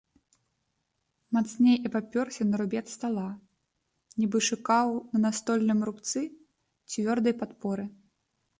Мацней абапёрся на рубец стала, нібы шукаў на настольным рубцы цвёрдай падпоры.